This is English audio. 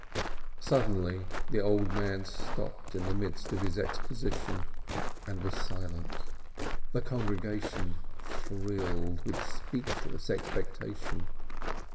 Suddenly the old man stopped in the midst of his exposition, and was silent. The congregation thrilled with speechless expectation.